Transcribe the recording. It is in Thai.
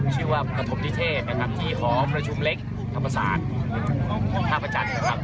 ชื่อว่าประพภพนิเทศที่หอประชุมเล็กภาพภาษาธาพระจันทร์ครับ